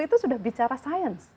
itu sudah bicara sains